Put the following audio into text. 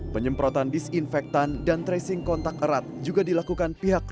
penyemprotan disinfektan dan tracing kontak erat juga dilakukan pihak